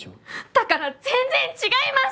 だから全然違います！